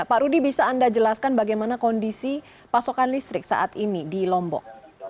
pak rudy bisa anda jelaskan bagaimana kondisi pasokan listrik saat ini di lombok